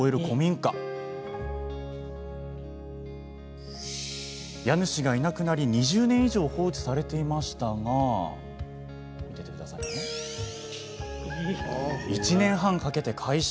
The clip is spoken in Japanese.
家主がいなくなり、２０年以上放置されていましたが１年半かけて改修。